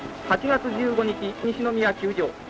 ８月１５日西宮球場。